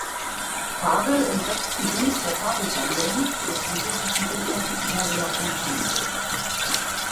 Fabel im sechsten Buch der Fabelsammlung des französischen Dichters Jean de La Fontaine.